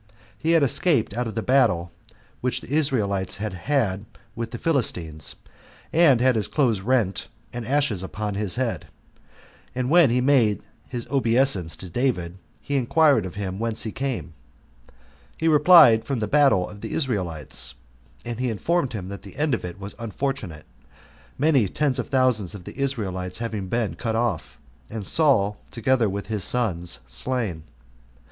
He had escaped out of the battle which the Israelites had with the Philistines, and had his clothes rent, and ashes upon his head. And when he made his obeisance to David, he inquired of him whence he came. He replied, from the battle of the Israelites; and he informed him that the end of it was unfortunate, many ten thousands of the Israelites having been cut off, and Saul, together with his sons, slain.